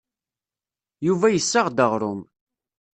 Yuba yessaɣ-d aɣrum.